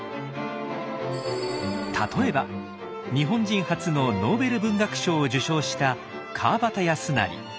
例えば日本人初のノーベル文学賞を受賞した川端康成。